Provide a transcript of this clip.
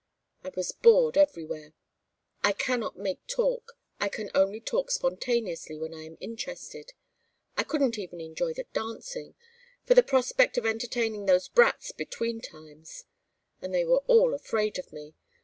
I was bored everywhere. I cannot make talk; I can only talk spontaneously when I am interested. I couldn't even enjoy the dancing for the prospect of entertaining those brats between times. And they were all afraid of me.